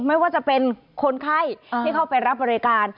ไม่ว่าจะเป็นคนไข้ที่เข้าไปรับบริการ